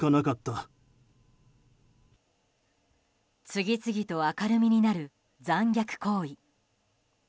次々と明るみになる残虐行為。